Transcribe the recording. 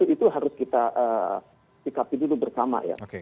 itu harus kita sikapi dulu bersama ya